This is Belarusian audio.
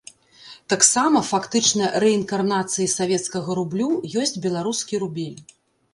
Таксама фактычна рэінкарнацыяй савецкага рублю ёсць беларускі рубель.